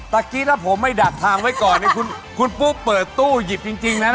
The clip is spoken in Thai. ตะกี้ถ้าผมไม่ดับทางไว้ก่อนเนี่ยคุณภูเค้าเปิดตู้หยิบจริงนะนั่น